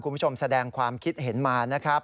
คุณผู้ชมแสดงความคิดเห็นมานะครับ